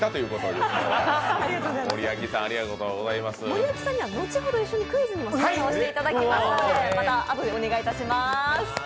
森脇さんには後ほど一緒にクイズにも参加していただきます。